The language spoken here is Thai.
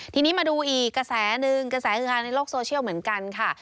ทีนี้มาดูอีกกระแสหนึ่งกระแสคือฮาในโลกโซเชียลเหมือนกันค่ะ